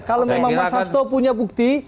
kalau memang mas hasto punya bukti